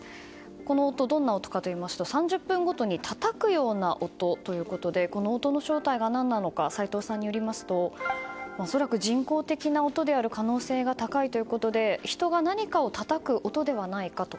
この音、どんな音かといいますと３０分ごとにたたくような音ということでこの音の正体が何なのか斎藤さんによりますと恐らく人工的な音である可能性が高いということで人が何かをたたく音ではないかと。